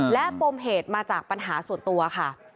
และปมเหตุมาจากปัญหาส่วนตัวค่ะ